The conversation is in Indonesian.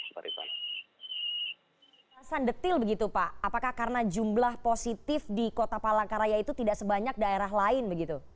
penjelasan detail begitu pak apakah karena jumlah positif di kota palangkaraya itu tidak sebanyak daerah lain begitu